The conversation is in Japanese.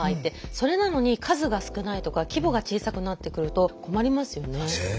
それなのに数が少ないとか規模が小さくなってくると困りますよね。